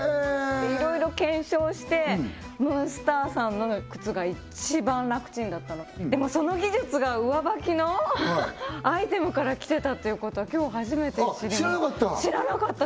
いろいろ検証してムーンスターさんの靴が一番楽ちんだったのででもその技術が上ばきのアイテムから来てたということは今日初めて知りました知らなかった？